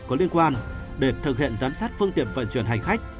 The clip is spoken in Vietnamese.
có liên quan để thực hiện giám sát phương tiện vận chuyển hành khách